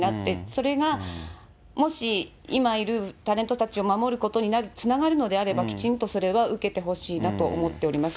それがもし今いるタレントたちを守ることにつながるのであれば、きちんとそれは受けてほしいなと思っております。